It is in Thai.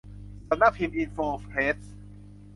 สำนักพิมพ์อินโฟเพรส